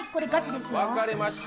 分かりました。